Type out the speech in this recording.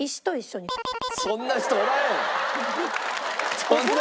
そんな人おらんやろ！